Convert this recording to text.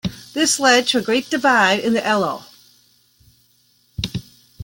This led to a great divide in the Eloh.